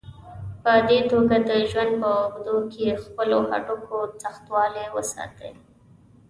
په دې توګه د ژوند په اوږدو کې خپلو هډوکو سختوالی وساتئ.